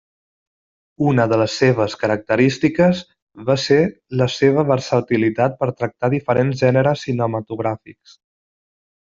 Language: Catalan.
Una de les seves característiques va ser la seva versatilitat per tractar diferents gèneres cinematogràfics.